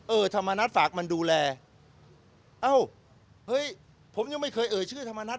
ธรรมนัฐฝากมันดูแลเอ้าเฮ้ยผมยังไม่เคยเอ่ยชื่อธรรมนัฐ